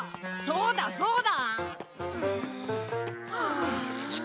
そうだそうだ！はあ。